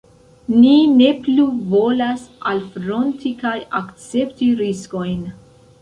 Ni ne plu volas alfronti kaj akcepti riskojn.